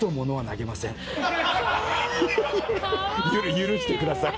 「許してください」。